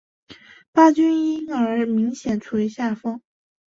巴军因而明显处于下风。